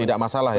tidak masalah ya